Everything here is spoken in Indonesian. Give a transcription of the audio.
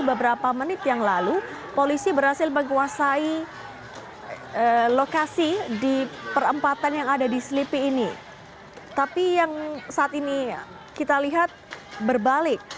sebelumnya kapolres jakarta pusat sudah menghimbau para peserta aksi untuk bisa membubarkan diri